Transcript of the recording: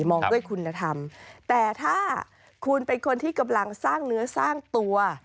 มองด้วยคุณธรรมแต่ถ้าคุณเป็นคนที่กำลังสร้างเนื้อสร้างตัว